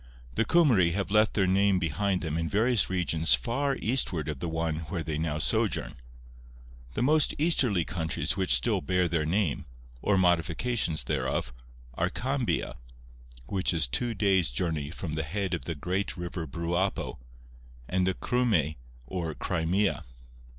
The Cymry have left their name behind them in various regions far eastward of the one where they now sojourn. The most easterly countries which still bear their name, or modifications thereof, are Cambia, 'which is two dayes journey from the head of the great river Bruapo,' and the Cryme or Crimea.